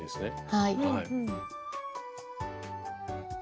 はい。